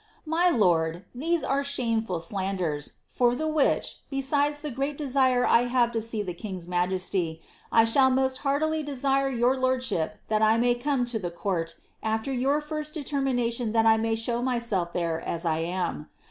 * My lord, these are shameful slanders, for the which, besides tkm great desire 1 have to see the king's m^esty, 1 shall most heartily desire your lordvhip that I may come tu the court after jrour first determination that I may show my:^lf there as 1 am.